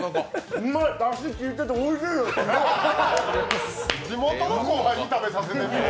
うまい、だしがきいてておいしいです。